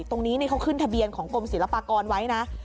ตรงนี้เขาขึ้นทะเบียนของกรมศิลปากรไว้นะ